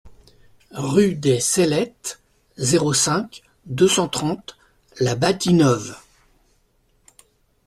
Rue des Cellettes, zéro cinq, deux cent trente La Bâtie-Neuve